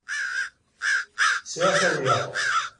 Sɛiɣ tawla.